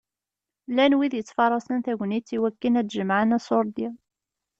Llan wid yettfaṛaṣen tagnit i wakken ad d-jemεen aṣuṛdi.